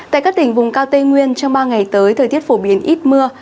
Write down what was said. tại các tỉnh vùng cao tây nguyên trong ba ngày tới thời tiết phổ biến ít mưa